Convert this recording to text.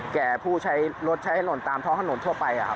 แก่ผู้รถใช้ถนนตามท้องถนนทั่วไปครับ